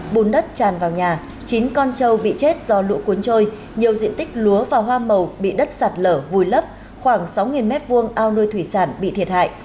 bùn đất tràn vào nhà chín con trâu bị chết do lũ cuốn trôi nhiều diện tích lúa và hoa màu bị đất sạt lở vùi lấp khoảng sáu m hai ao nuôi thủy sản bị thiệt hại